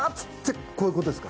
こういうことですか？